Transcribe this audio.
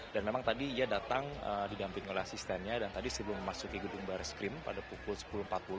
dan memang tadi dia datang didamping oleh asistennya dan tadi sebelum masuk ke bidung baris kempori pada pukul sepuluh empat puluh